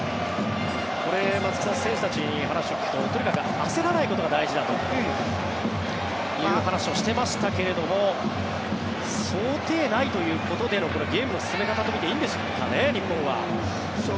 松木さん、選手たちに話を聞くと焦らないことが大事だという話をしていましたが想定内ということでのゲームの進め方とみていいんでしょうかね、日本は。